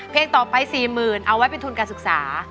ต่อไป๔๐๐๐เอาไว้เป็นทุนการศึกษา